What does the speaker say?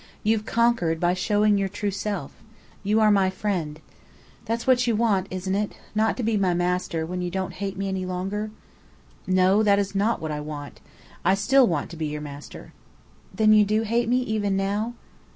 You've conquered by showing your true self. You are my friend. That's what you want, isn't it? Not to be my master, when you don't hate me any longer." "No, that is not what I want. I still want to be your master." "Then you do hate me, even now?"